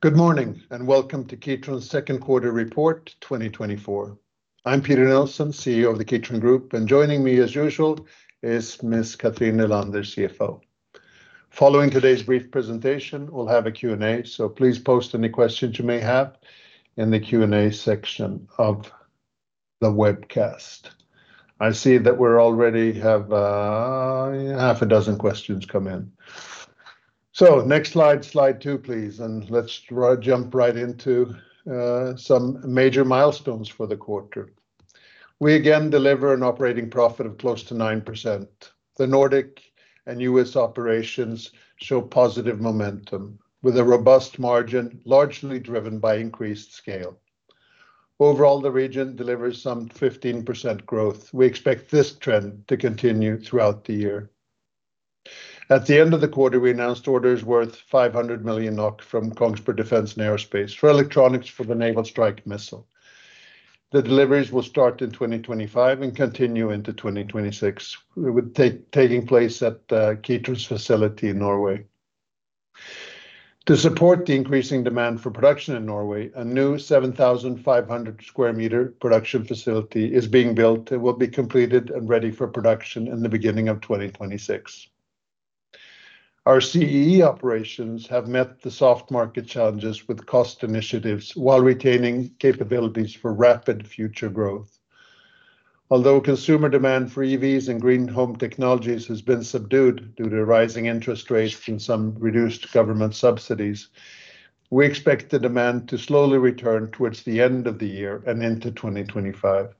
Good morning and welcome to Kitron's second quarter report, 2024. I'm Peter Nilsson, CEO of the Kitron Group, and joining me, as usual, is Ms. Cathrin Nylander, CFO. Following today's brief presentation, we'll have a Q&A, so please post any questions you may have in the Q&A section of the webcast. I see that we already have half a dozen questions come in. So next slide, slide 2, please, and let's jump right into some major milestones for the quarter. We again deliver an operating profit of close to 9%. The Nordic and U.S. operations show positive momentum, with a robust margin largely driven by increased scale. Overall, the region delivers some 15% growth. We expect this trend to continue throughout the year. At the end of the quarter, we announced orders worth 500 million NOK from Kongsberg Defence & Aerospace for electronics for the Naval Strike Missile. The deliveries will start in 2025 and continue into 2026, taking place at Kitron's facility in Norway. To support the increasing demand for production in Norway, a new 7,500 square meter production facility is being built and will be completed and ready for production in the beginning of 2026. Our CEE operations have met the soft market challenges with cost initiatives while retaining capabilities for rapid future growth. Although consumer demand for EVs and green home technologies has been subdued due to rising interest rates and some reduced government subsidies, we expect the demand to slowly return towards the end of the year and into 2025.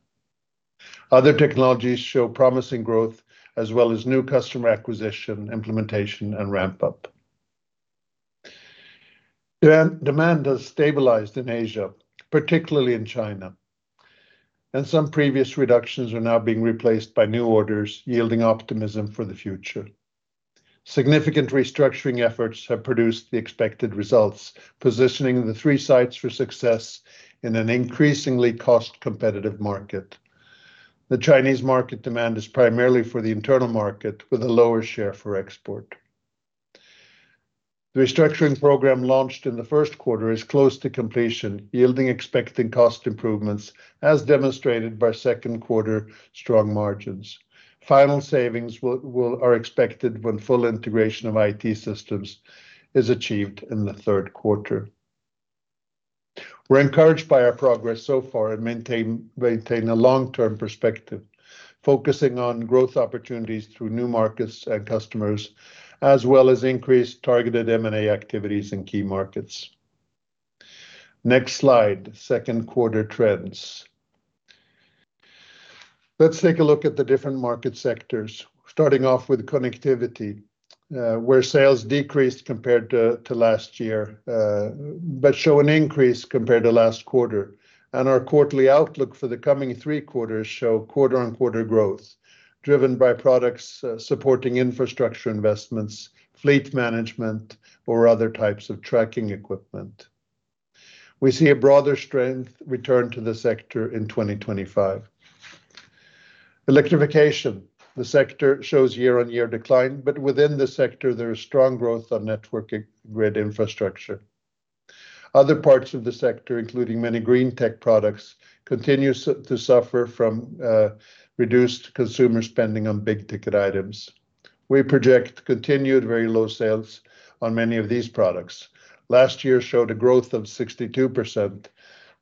Other technologies show promising growth, as well as new customer acquisition, implementation, and ramp-up. Demand has stabilized in Asia, particularly in China, and some previous reductions are now being replaced by new orders, yielding optimism for the future. Significant restructuring efforts have produced the expected results, positioning the three sites for success in an increasingly cost-competitive market. The Chinese market demand is primarily for the internal market, with a lower share for export. The restructuring program launched in the first quarter is close to completion, yielding expected cost improvements, as demonstrated by second quarter strong margins. Final savings are expected when full integration of IT systems is achieved in the third quarter. We're encouraged by our progress so far and maintain a long-term perspective, focusing on growth opportunities through new markets and customers, as well as increased targeted M&A activities in key markets. Next slide, second quarter trends. Let's take a look at the different market sectors, starting off with connectivity, where sales decreased compared to last year but show an increase compared to last quarter. Our quarterly outlook for the coming three quarters shows quarter-on-quarter growth, driven by products supporting infrastructure investments, fleet management, or other types of tracking equipment. We see a broader strength return to the sector in 2025. Electrification, the sector shows year-on-year decline, but within the sector, there is strong growth on network grid infrastructure. Other parts of the sector, including many green tech products, continue to suffer from reduced consumer spending on big-ticket items. We project continued very low sales on many of these products. Last year showed a growth of 62%,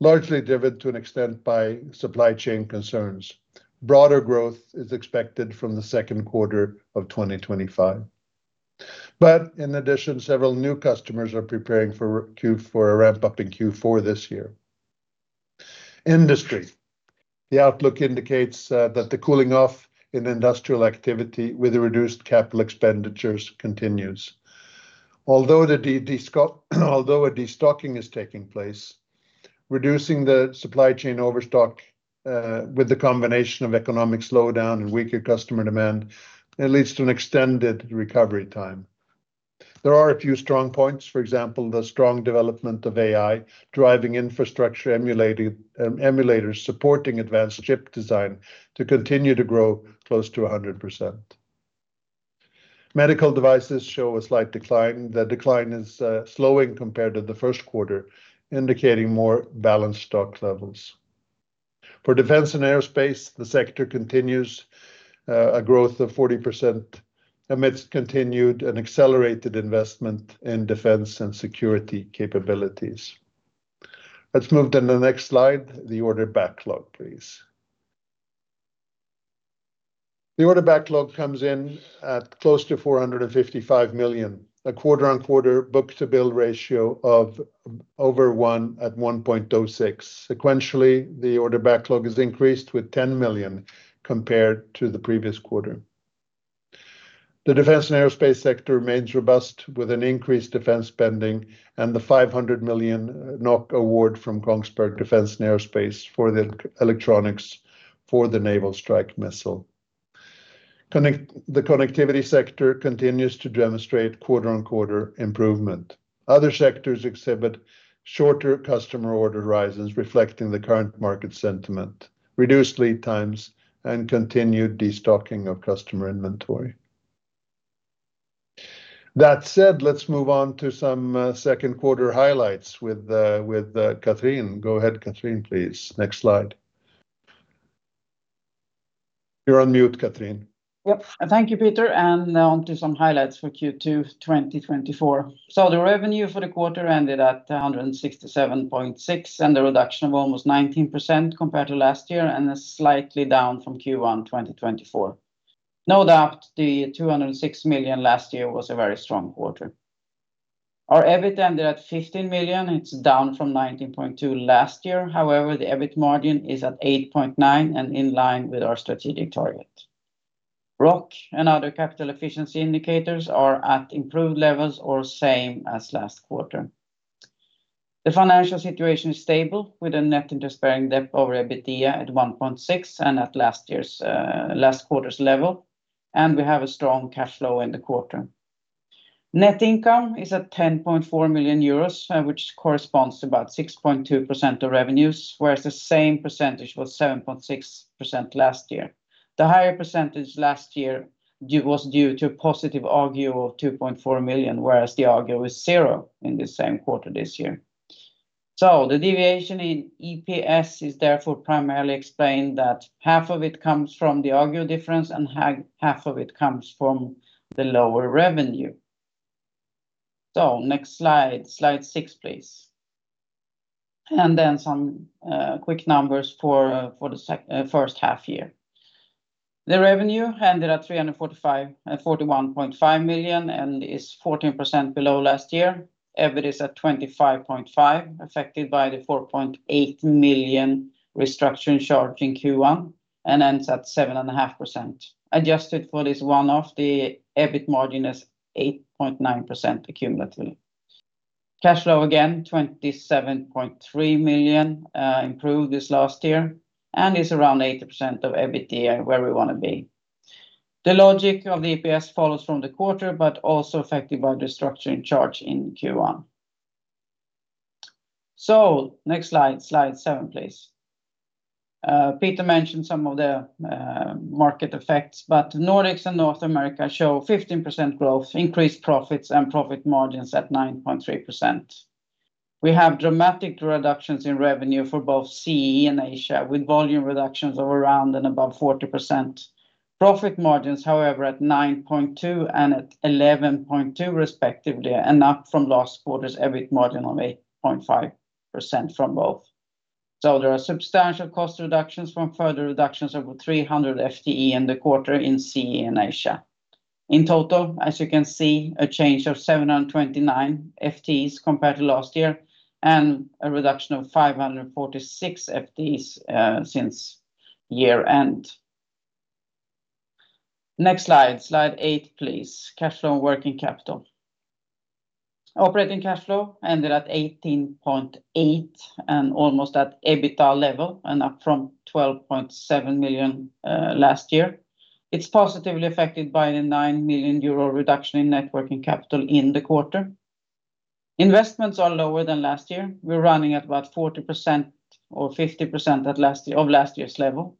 largely driven to an extent by supply chain concerns. Broader growth is expected from the second quarter of 2025. In addition, several new customers are preparing for a ramp-up in Q4 this year. Industry, the outlook indicates that the cooling off in industrial activity with reduced capital expenditures continues. Although a destocking is taking place, reducing the supply chain overstock with the combination of economic slowdown and weaker customer demand leads to an extended recovery time. There are a few strong points, for example, the strong development of AI driving infrastructure emulators supporting advanced chip design to continue to grow close to 100%. Medical devices show a slight decline. The decline is slowing compared to the first quarter, indicating more balanced stock levels. For defense and aerospace, the sector continues a growth of 40% amidst continued and accelerated investment in defense and security capabilities. Let's move to the next slide, the order backlog, please. The order backlog comes in at close to 455 million, a quarter-on-quarter book-to-bill ratio of over one at 1.06. Sequentially, the order backlog is increased with 10 million compared to the previous quarter. The defense and aerospace sector remains robust with an increased defense spending and the 500 million NOK award from Kongsberg Defence & Aerospace for the electronics for the Naval Strike Missile. The connectivity sector continues to demonstrate quarter-on-quarter improvement. Other sectors exhibit shorter customer order horizons, reflecting the current market sentiment, reduced lead times, and continued destocking of customer inventory. That said, let's move on to some second quarter highlights with Cathrin. Go ahead, Cathrin, please. Next slide. You're on mute, Cathrin. Yep, thank you, Peter. Now on to some highlights for Q2 2024. The revenue for the quarter ended at 167.6 million with a reduction of almost 19% compared to last year and slightly down from Q1 2024. No doubt, the 206 million last year was a very strong quarter. Our EBIT ended at 15 million. It's down from 19.2 million last year. However, the EBIT margin is at 8.9% and in line with our strategic target. ROC and other capital efficiency indicators are at improved levels or same as last quarter. The financial situation is stable with a net interest-bearing debt over EBITDA at 1.6 and at last quarter's level. We have a strong cash flow in the quarter. Net income is at 10.4 million euros, which corresponds to about 6.2% of revenues, whereas the same percentage was 7.6% last year. The higher percentage last year was due to a positive agio of 2.4 million, whereas the agio is zero in the same quarter this year. So the deviation in EPS is therefore primarily explained that half of it comes from the agio difference and half of it comes from the lower revenue. So next slide, slide six, please. And then some quick numbers for the first half year. The revenue ended at 341.5 million and is 14% below last year. EBIT is at 25.5 million, affected by the 4.8 million restructuring charge in Q1 and ends at 7.5%. Adjusted for this one-off, the EBIT margin is 8.9% cumulatively. Cash flow again, 27.3 million, improved this last year and is around 80% of EBITDA where we want to be. The logic of the EPS follows from the quarter, but also affected by the restructuring charge in Q1. Next slide, slide seven, please. Peter mentioned some of the market effects, but Nordics and North America show 15% growth, increased profits, and profit margins at 9.3%. We have dramatic reductions in revenue for both CEE and Asia, with volume reductions of around and above 40%. Profit margins, however, at 9.2% and at 11.2%, respectively, and up from last quarter's EBIT margin of 8.5% from both. There are substantial cost reductions from further reductions of 300 FTE in the quarter in CEE and Asia. In total, as you can see, a change of 729 FTEs compared to last year and a reduction of 546 FTEs since year-end. Next slide, slide eight, please. Cash flow and working capital. Operating cash flow ended at 18.8 million and almost at EBITDA level and up from 12.7 million last year. It's positively affected by the 9 million euro reduction in net working capital in the quarter. Investments are lower than last year. We're running at about 40% or 50% of last year's level.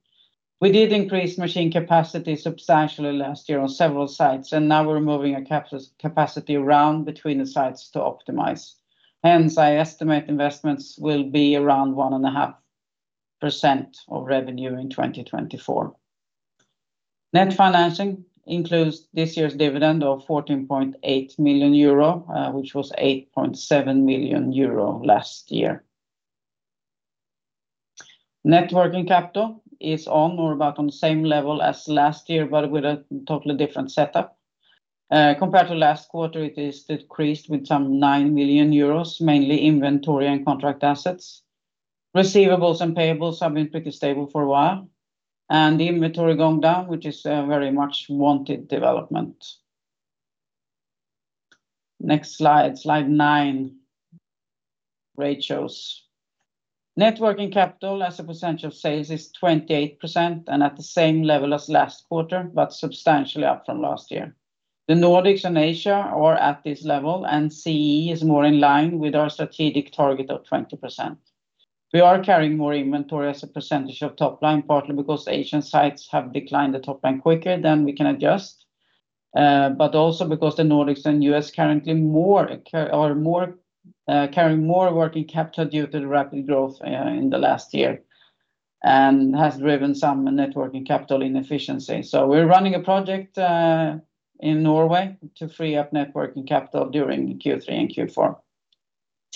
We did increase machine capacity substantially last year on several sites, and now we're moving our capacity around between the sites to optimize. Hence, I estimate investments will be around 1.5% of revenue in 2024. Net financing includes this year's dividend of 14.8 million euro, which was 8.7 million euro last year. Net working capital is on or about on the same level as last year, but with a totally different setup. Compared to last quarter, it is decreased with some 9 million euros, mainly inventory and contract assets. Receivables and payables have been pretty stable for a while, and the inventory going down, which is a very much wanted development. Next slide, slide nine, ratios. working capital as a percentage of sales is 28% and at the same level as last quarter, but substantially up from last year. The Nordics and Asia are at this level, and CEE is more in line with our strategic target of 20%. We are carrying more inventory as a percentage of top line, partly because Asian sites have declined the top line quicker than we can adjust, but also because the Nordics and U.S. currently are carrying more working capital due to the rapid growth in the last year and has driven some net working capital inefficiency. So we're running a project in Norway to free up net working capital during Q3 and Q4.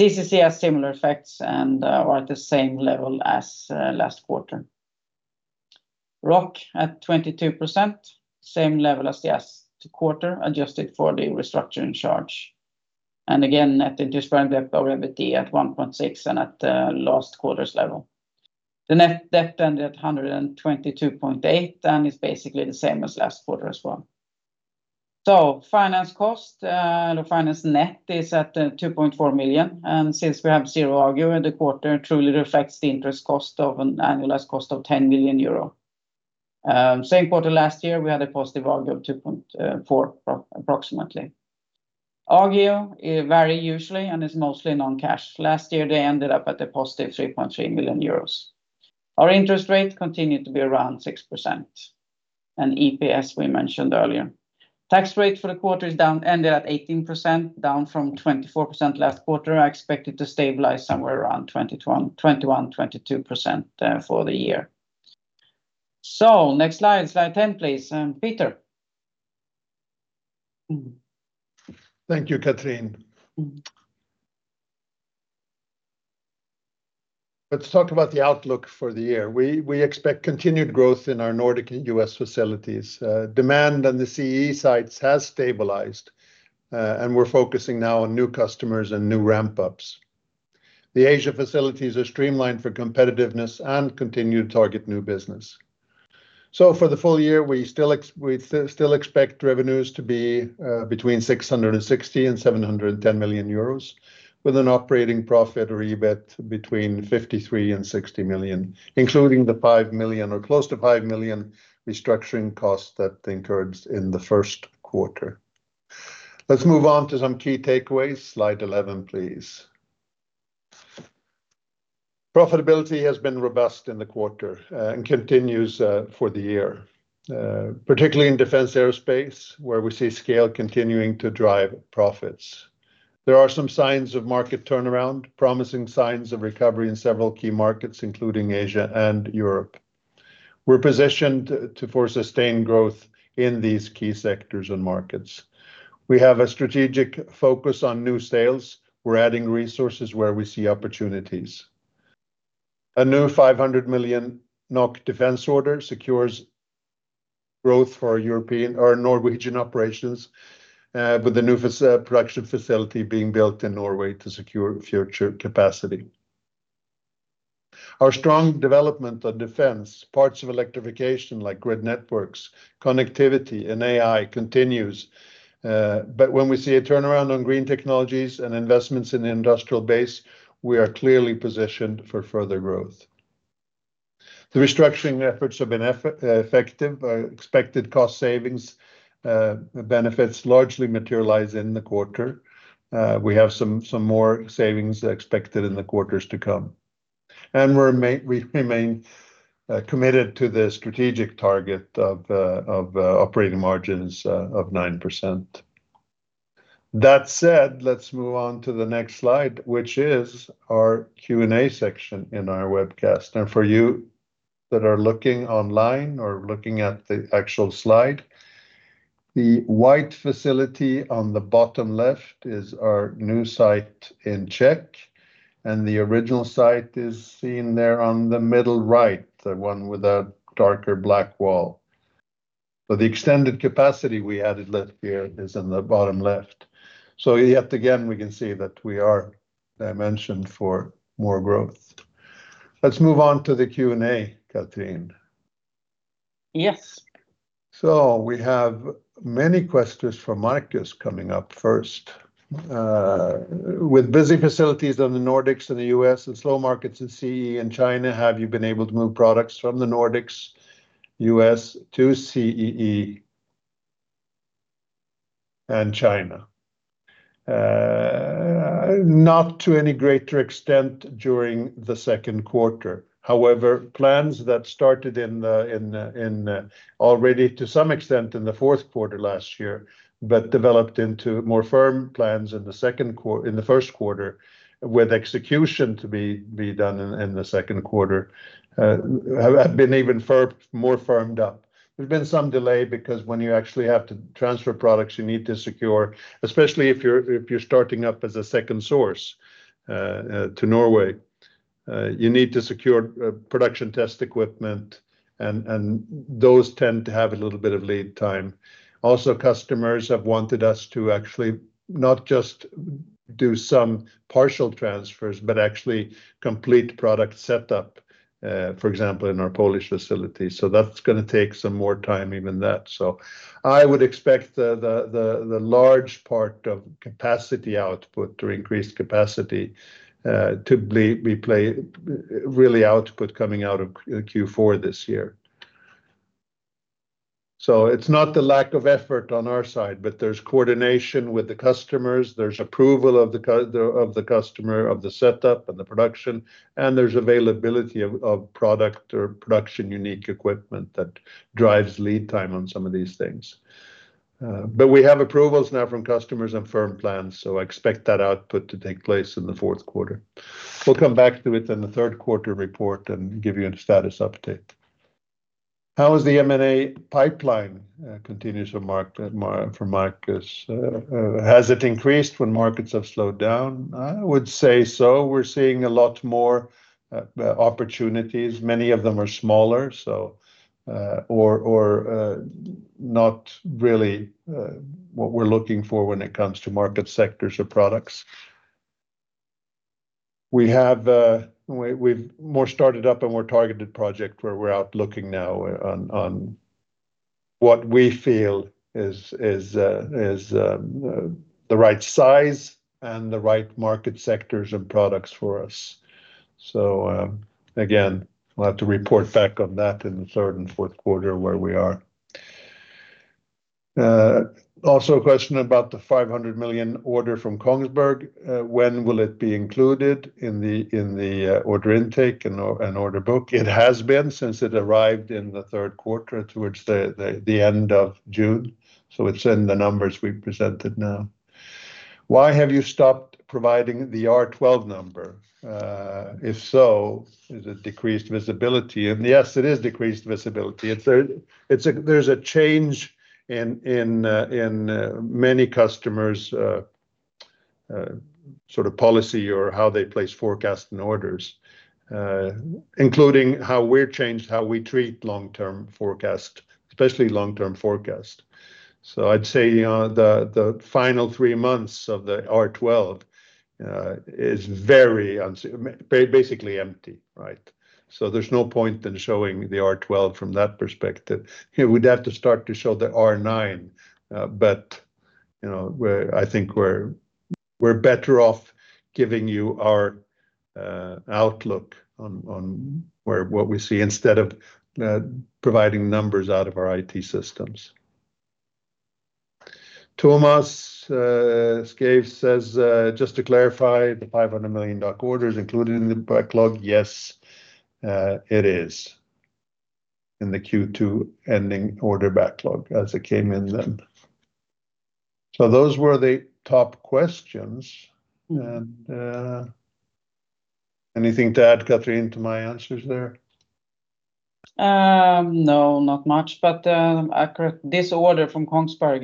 CCC has similar effects and are at the same level as last quarter. ROC at 22%, same level as last quarter, adjusted for the restructuring charge. And again, net interest-bearing debt over EBITDA at 1.6 and at last quarter's level. The net debt ended at 122.8 and is basically the same as last quarter as well. So finance cost, the finance net is at 2.4 million. And since we have zero RGO in the quarter, it truly reflects the interest cost of an annualized cost of 10 million euro. Same quarter last year, we had a positive RGO of 2.4 million approximately. RGO varies usually and is mostly non-cash. Last year, they ended up at a positive 3.3 million euros. Our interest rate continued to be around 6% and EPS we mentioned earlier. Tax rate for the quarter is down, ended at 18%, down from 24% last quarter. I expect it to stabilize somewhere around 21%-22% for the year. So next slide, slide 10, please. Peter. Thank you, Cathrin. Let's talk about the outlook for the year. We expect continued growth in our Nordic and U.S. facilities. Demand on the CEE sites has stabilized, and we're focusing now on new customers and new ramp-ups. The Asia facilities are streamlined for competitiveness and continue to target new business. So for the full year, we still expect revenues to be between 660 million and 710 million euros, with an operating profit or EBIT between 53 million and 60 million, including the 5 million or close to 5 million restructuring costs that incurred in the first quarter. Let's move on to some key takeaways. Slide 11, please. Profitability has been robust in the quarter and continues for the year, particularly in defense aerospace, where we see scale continuing to drive profits. There are some signs of market turnaround, promising signs of recovery in several key markets, including Asia and Europe. We're positioned to sustain growth in these key sectors and markets. We have a strategic focus on new sales. We're adding resources where we see opportunities. A new 500 million NOK defense order secures growth for Norwegian operations, with a new production facility being built in Norway to secure future capacity. Our strong development on defense, parts of electrification like grid networks, connectivity, and AI continues. But when we see a turnaround on green technologies and investments in the industrial base, we are clearly positioned for further growth. The restructuring efforts have been effective. Expected cost savings benefits largely materialize in the quarter. We have some more savings expected in the quarters to come. And we remain committed to the strategic target of operating margins of 9%. That said, let's move on to the next slide, which is our Q&A section in our webcast. For you that are looking online or looking at the actual slide, the white facility on the bottom left is our new site in Czech, and the original site is seen there on the middle right, the one with a darker black wall. The extended capacity we added last year is in the bottom left. Yet again, we can see that we are dimensioned for more growth. Let's move on to the Q&A, Cathrin. Yes. So we have many questions from Marcus coming up first. With busy facilities in the Nordics and the U.S. and slow markets in CEE and China, have you been able to move products from the Nordics, U.S. to CEE and China? Not to any greater extent during the second quarter. However, plans that started in already to some extent in the fourth quarter last year, but developed into more firm plans in the first quarter, with execution to be done in the second quarter, have been even more firmed up. There's been some delay because when you actually have to transfer products, you need to secure, especially if you're starting up as a second source to Norway, you need to secure production test equipment, and those tend to have a little bit of lead time. Also, customers have wanted us to actually not just do some partial transfers, but actually complete product setup, for example, in our Polish facility. So that's going to take some more time, even that. So I would expect the large part of capacity output or increased capacity to be really output coming out of Q4 this year. So it's not the lack of effort on our side, but there's coordination with the customers. There's approval of the customer, of the setup and the production, and there's availability of product or production unique equipment that drives lead time on some of these things. But we have approvals now from customers and firm plans, so I expect that output to take place in the fourth quarter. We'll come back to it in the third quarter report and give you a status update. How has the M&A pipeline continued for Marcus? Has it increased when markets have slowed down? I would say so. We're seeing a lot more opportunities. Many of them are smaller, or not really what we're looking for when it comes to market sectors or products. We've more started up a more targeted project where we're out looking now on what we feel is the right size and the right market sectors and products for us. So again, we'll have to report back on that in the third and fourth quarter where we are. Also, a question about the 500 million order from Kongsberg. When will it be included in the order intake and order book? It has been since it arrived in the third quarter towards the end of June. So it's in the numbers we presented now. Why have you stopped providing the R12 number? If so, is it decreased visibility? Yes, it is decreased visibility. There's a change in many customers' sort of policy or how they place forecasts and orders, including how we're changed, how we treat long-term forecasts, especially long-term forecasts. So I'd say the final three months of the R12 is very basically empty, right? So there's no point in showing the R12 from that perspective. We'd have to start to show the R9, but I think we're better off giving you our outlook on what we see instead of providing numbers out of our IT systems. Thomas Skåve says, "Just to clarify, the 500 million orders included in the backlog?" Yes, it is in the Q2 ending order backlog as it came in then. So those were the top questions. Anything to add, Cathrin, to my answers there? No, not much, but this order from Kongsberg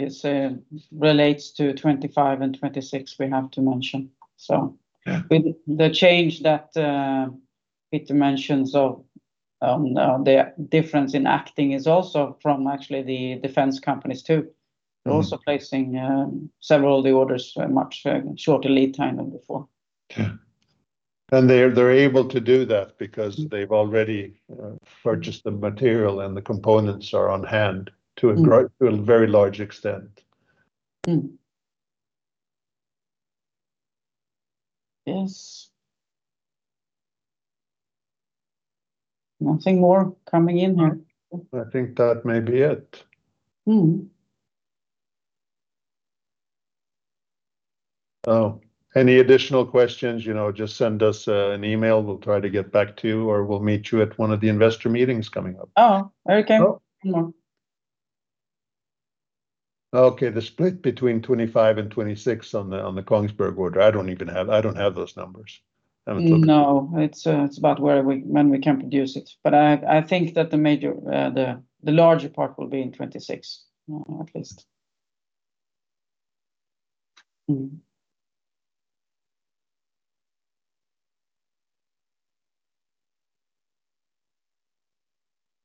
relates to 2025 and 2026 we have to mention. So the change that Peter mentions of the difference in acting is also from actually the defense companies too, also placing several of the orders much shorter lead time than before. Yeah. They're able to do that because they've already purchased the material and the components are on hand to a very large extent. Yes. Nothing more coming in here. I think that may be it. Any additional questions, just send us an email. We'll try to get back to you or we'll meet you at one of the investor meetings coming up. Oh, okay. Okay. The split between 2025 and 2026 on the Kongsberg order, I don't even have those numbers. No. It's about when we can produce it. But I think that the larger part will be in 2026 at least.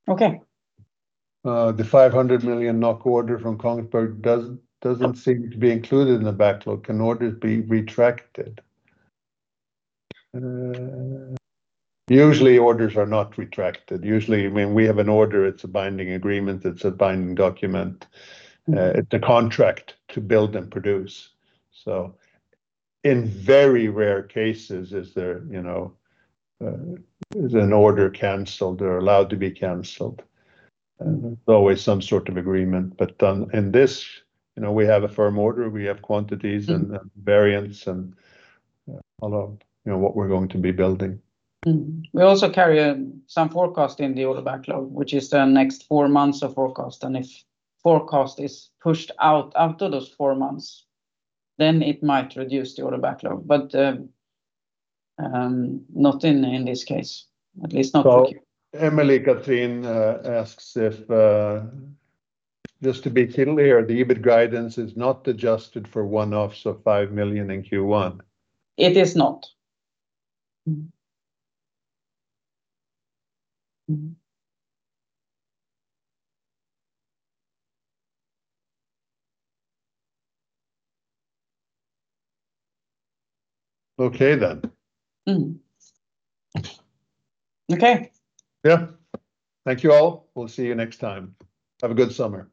Okay. The 500 million NOK order from Kongsberg doesn't seem to be included in the backlog. Can orders be retracted? Usually, orders are not retracted. Usually, when we have an order, it's a binding agreement. It's a binding document. It's a contract to build and produce. So in very rare cases, an order canceled or allowed to be canceled. There's always some sort of agreement. But in this, we have a firm order. We have quantities and variants and all of what we're going to be building. We also carry some forecast in the order backlog, which is the next four months of forecast. If forecast is pushed out of those four months, then it might reduce the order backlog, but not in this case, at least not for Q1. Emily, Cathrin asks if, just to be clear, the EBIT guidance is not adjusted for one-offs of 5 million in Q1. It is not. Okay then. Okay. Yeah. Thank you all. We'll see you next time. Have a good summer.